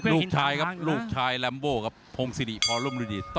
ลูกชายครับลูกชายแลมโบครับพงศิริพร่มฤดี